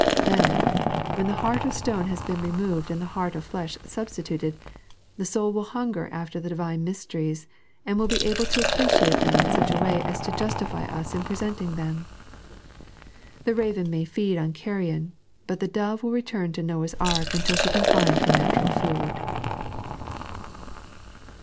Then, when the heart of stone has been removed and the heart of flesh substi tuted, the soul will hunger after the Divine mysteries, and will be able to app'eciate them in such a way as to justify us in presenting them. The raven may feed on carrion, but the dove will return to Noah's Ark until she can find her natural food.